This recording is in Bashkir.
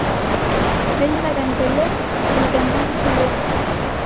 Белмәгән белер, белгәндән көлөр.